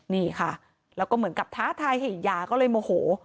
นี่ค่ะแล้วก็เหมือนกับท้าทายให้ยาก็เลยโมโห